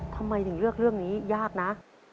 ทำไมถึงเลือกเรื่องนี้ยากนะ